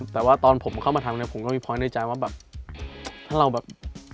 แต่ว่าตอนผมเข้ามาทำเนี่ยผมก็มีพรในใจว่าแบบถ้าเราแบบ